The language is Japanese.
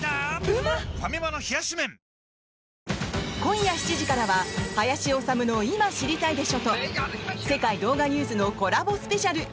ファミマの冷し麺今夜７時からは「林修の今、知りたいでしょ！」と「世界動画ニュース」のコラボスペシャル！